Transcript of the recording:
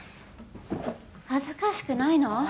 恥ずかしくないの？